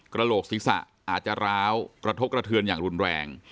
กระโหลกศีรษะอาจจะร้าวกระทบกระเทือนอย่างรุนแรง